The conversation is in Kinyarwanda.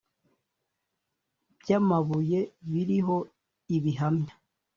by amabuye biriho ibihamya